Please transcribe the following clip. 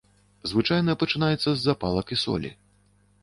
Звычайна пачынаецца з запалак і солі.